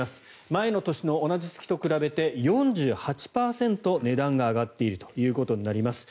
前の年の同じ月と比べて４８％値段が上がっているということになります。